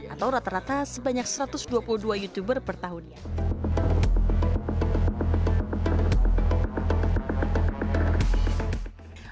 atau rata rata sebanyak satu ratus dua puluh dua youtuber per tahunnya